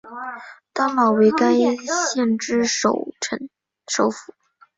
丹老为该县之首府。